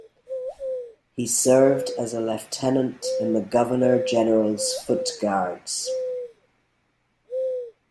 He served as a lieutenant in the Governor General's Foot Guards.